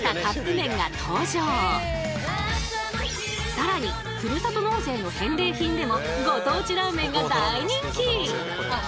さらにふるさと納税の返礼品でもご当地ラーメンが大人気！